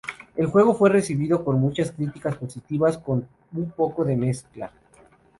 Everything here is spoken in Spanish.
El juego fue recibido con muchas críticas positivas, con un poco de mezcla.